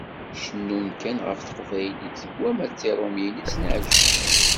Cennun kan ɣef Teqbaylit, wamma d Tiṛumiyin i sen-iɛeǧben.